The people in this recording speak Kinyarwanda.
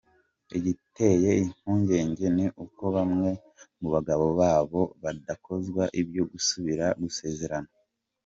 Igiteye impungenge ni uko bamwe mu bagabo babo badakozwa ibyo gusubira gusezerana.